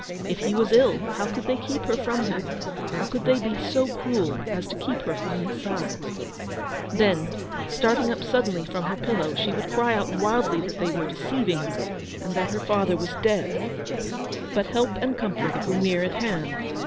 If he was ill, how could they keep her from him, how could they be so cruel as to keep her from his side ? Then, starting up suddenly from her pillow, she would cry out wildly that they were deceiving her, and that her father was dead. But help and comfort were near at hand.